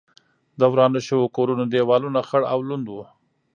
د ورانو شوو کورونو دېوالونه خړ او لوند و.